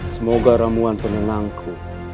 semoga ramuan penenangku